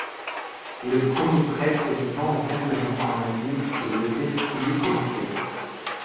Le premier prêtre vivant en permanence dans la ville est le père Philip Hosten.